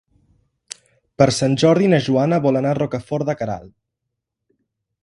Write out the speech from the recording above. Per Sant Jordi na Joana vol anar a Rocafort de Queralt.